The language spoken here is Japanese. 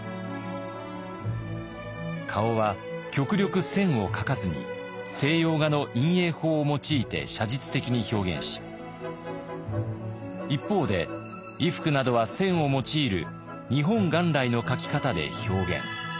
顔は極力線を描かずに西洋画の陰影法を用いて写実的に表現し一方で衣服などは線を用いる日本元来の描き方で表現。